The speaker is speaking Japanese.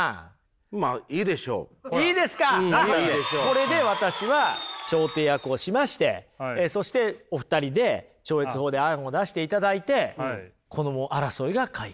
これで私は調停役をしましてそしてお二人で超越法で案を出していただいてこの争いが解決したと。